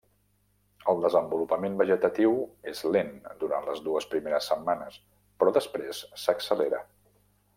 El desenvolupament vegetatiu és lent durant les dues primeres setmanes, però després s'accelera.